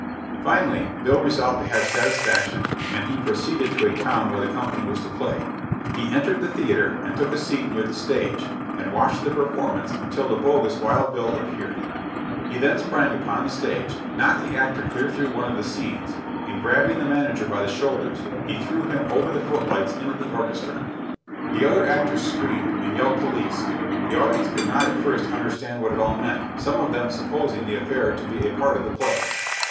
Finally, Bill resolved to have satisfaction and he proceeded to a town where the company was to play; he entered the theater and took a seat near the stage, and watched the performance until the bogus Wild Bill appeared. He then sprang upon the stage, knocked the actor clear through one of the scenes, and grabbing the manager by the shoulders he threw him over the foot lights into the orchestra. [Illustration: GETTING SATISFACTION.] The other actors screamed and yelled "Police!" The audience could not at first understand what it all meant, some of them supposing the affair to be a part of the play.